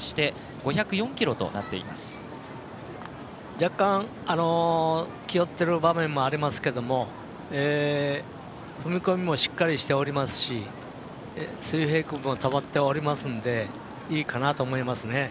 若干、気負ってる場面もありますけども踏み込みもしっかりしておりますし水平クビも保っておりますんでいいかなと思いますね。